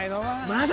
「まだ？」